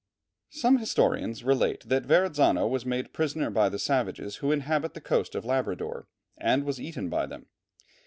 Some historians relate that Verrazzano was made prisoner by the savages who inhabit the coast of Labrador, and was eaten by them.